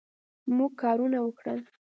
موږ کارونه وکړل